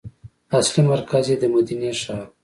اصلي مرکز یې د مدینې ښار و.